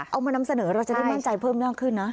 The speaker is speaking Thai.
เอามานำเสนอเราจะได้มั่นใจเพิ่มมากขึ้นนะ